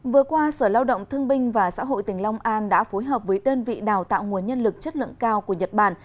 vừa qua sở lao động thương binh và xã hội tỉnh long an đã phối hợp với đơn vị đào tạo nguồn nhân lực chất lượng cao của nhật bản